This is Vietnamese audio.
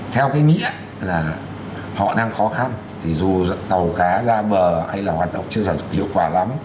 theo cái nghĩa là họ đang khó khăn thì dù tàu cá ra bờ hay là hoạt động chưa sản xuất hiệu quả lắm